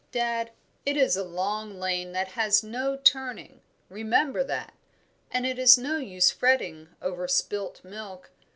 "Dad, it is a long lane that has no turning remember that; and it is no use fretting over spilt milk.